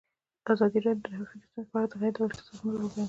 ازادي راډیو د ټرافیکي ستونزې په اړه د غیر دولتي سازمانونو رول بیان کړی.